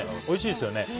おいしいですよね。